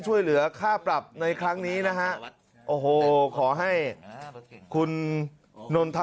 ช่วยเหลือค่าปรับในครั้งนี้นะฮะโอ้โหขอให้คุณนนทะ